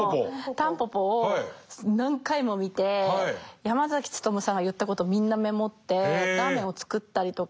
「タンポポ」を何回も見て山努さんが言ったことをみんなメモってラーメンを作ったりとか。